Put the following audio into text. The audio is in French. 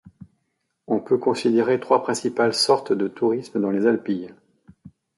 On peut considérer trois principales sortes de tourisme dans les Alpilles.